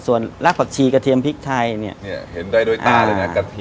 ส่วนรักผักชีกระเทียมพริกไทยเนี่ยเนี่ยเห็นได้โดยตาเลยน่ะ